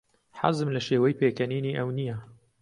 حەزم لە شێوەی پێکەنینی ئەو نییە.